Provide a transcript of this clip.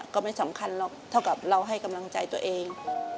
ก็ไม่สำคัญหรอกเท่ากับเราให้กำลังใจตัวเอง